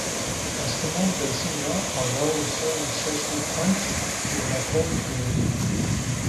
Estımol Dêsım ra hazar u se u seşt u phanc kilometrey düriyo.